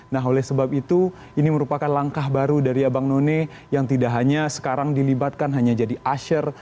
nah oleh sebab itu ini merupakan langkah baru dari abang none yang tidak hanya sekarang dilibatkan hanya jadi asher